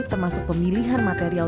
termasuk pemilihan material